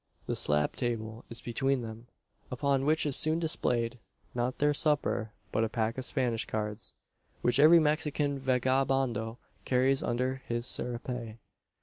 The slab table is between them, upon which is soon displayed, not their supper, but a pack of Spanish cards, which every Mexican vagabondo carries under his serape.